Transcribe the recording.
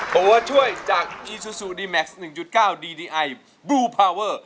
ตัวช่วยจากอีซูซูดีแม็กซ์๑๙ดีดีไอบลูพาเวอร์